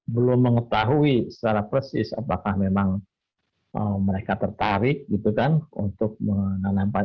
belum mengetahui secara persis apakah memang mereka tertarik gitu kan untuk menanamkan